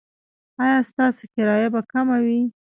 ایا ستاسو کرایه به کمه وي؟